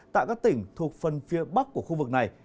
tại các tỉnh thuộc phân phía bắc của khu vực này